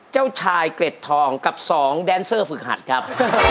เจ้าชายเกร็ดทองกับสองแดนเซอร์ฝึกหัดครับ